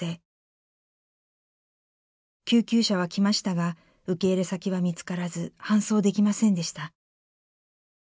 救急車は来ましたが受け入れ先は見つからず搬送できませんでした。